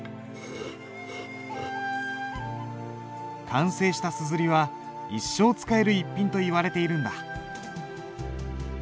完成した硯は一生使える逸品といわれているんだ。